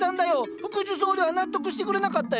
福寿草では納得してくれなかったよ。